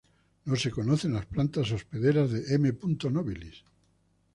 No se conocen las plantas hospederas de "M. nobilis".